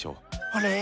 あれ？